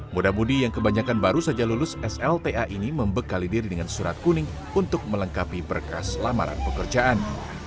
muda mudi yang kebanyakan baru saja lulus slta ini membekali diri dengan surat kuning untuk melengkapi berkas lamaran pekerjaan